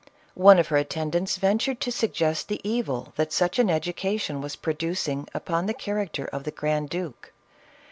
One of her attendants ventured to sug gest the evil that such an education was producing upon the character of the grand duke.